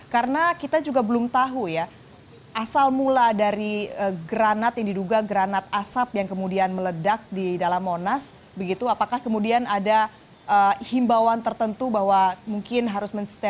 karena kita juga belum tahu ya asal mula dari granat yang diduga granat asap yang kemudian meledak di dalam monas begitu apakah kemudian ada himbauan tertentu bahwa mungkin harus menstabilkan